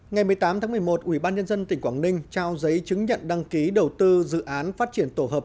ngày một mươi tám tháng một mươi một ubnd tỉnh quảng ninh trao giấy chứng nhận đăng ký đầu tư dự án phát triển tổ hợp